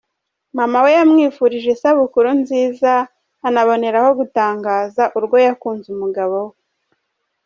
Mama we yamwifurije isabukuru nziza anaboneraho gutangaza urwo yakunze umugabo we.